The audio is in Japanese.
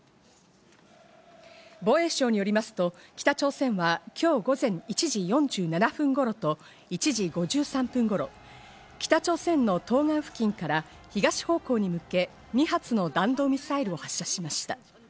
防衛省によりますと、北朝鮮はきょう午前１時４７分頃と、１時５３分頃、北朝鮮の東岸付近から東方向に向け２発の弾道ミサイルを発射しました。